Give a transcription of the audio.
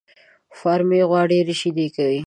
فارمي غوا ډېري شيدې کوي